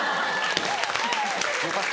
・よかった